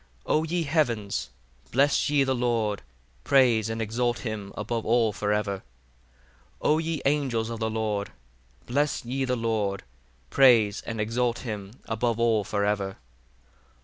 36 O ye heavens, bless ye the Lord: praise and exalt him above all for ever. 37 O ye angels of the Lord, bless ye the Lord: praise and exalt him above all for ever.